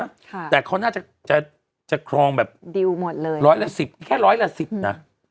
ค่ะแต่เขาน่าจะจะจะครองแบบดิวหมดเลยร้อยละสิบแค่ร้อยละสิบน่ะ